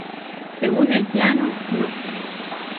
Según el Plano No.